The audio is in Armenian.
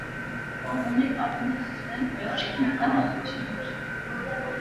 Ունի կարբոնաթթուներին բնորոշ քիմիական հատկություններ։